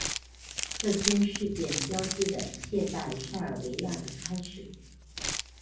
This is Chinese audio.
这些事件标志着现代塞尔维亚的开始。